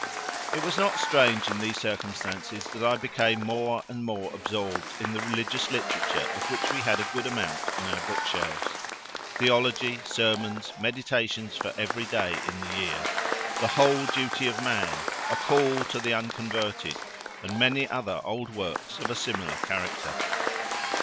It was not strange in these circumstances that I became more and more absorbed in the religious literature of which we had a good amount on our bookshelves theology, sermons, meditations for every day in the year, The Whole Duty of Man, A Call to the Unconverted, and many other old works of a similar character.